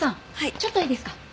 ちょっといいですか？